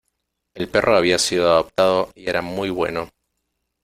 El perro había sido adoptado y era muy bueno.